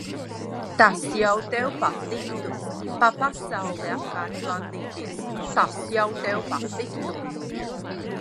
Tas jau tev patiktu. Pa pasauli apkārt blandīties, tas jau tev patiktu.